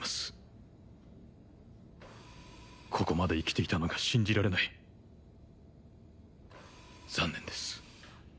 ・ここまで生きていたのが信じられない残念です